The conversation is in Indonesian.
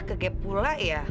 kegep pula ya